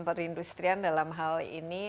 perindustrian dalam hal ini